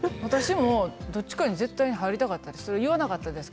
私もどっちか入りたかったです。